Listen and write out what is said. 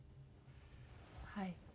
はい。